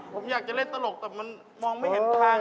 ผมอยากจะเล่นตลกแต่มันมองไม่เห็นทาง